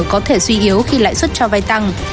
có thể suy yếu khi lại xuất cho vai tăng